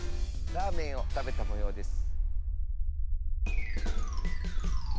ラーメンをたべたもようです。